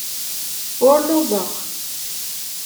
Ur lluẓeɣ.